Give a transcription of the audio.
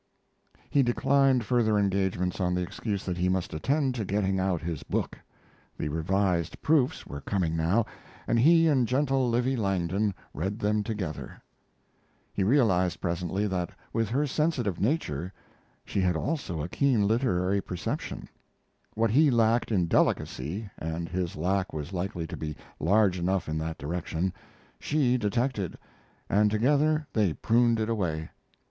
He declined further engagements on the excuse that he must attend to getting out his book. The revised proofs were coming now, and he and gentle Livy Langdon read them together. He realized presently that with her sensitive nature she had also a keen literary perception. What he lacked in delicacy and his lack was likely to be large enough in that direction she detected, and together they pruned it away.